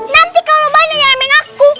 nanti kalau banyak yang emeng aku